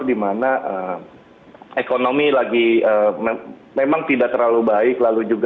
di mana ekonomi lagi memang tidak terlalu baik